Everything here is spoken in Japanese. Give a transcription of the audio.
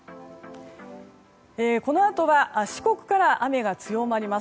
このあとは四国から雨が強まります。